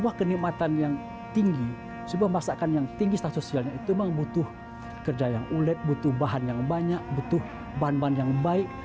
sebuah kenikmatan yang tinggi sebuah masakan yang tinggi status sosialnya itu memang butuh kerja yang ulet butuh bahan yang banyak butuh bahan bahan yang baik